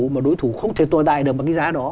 mà đối thủ không thể tồn tại được một cái giá đó